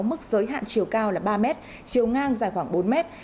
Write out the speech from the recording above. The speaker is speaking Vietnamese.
mức giới hạn chiều cao là ba mét chiều ngang dài khoảng bốn mét